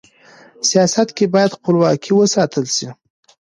سیاست کي بايد خپلواکي و ساتل سي.